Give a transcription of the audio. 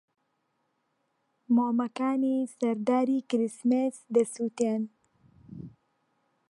مۆمەکانی سەر داری کریسمس دەسووتێن.